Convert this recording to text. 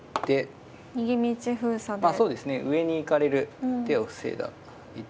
上に行かれる手を防いだ一手で。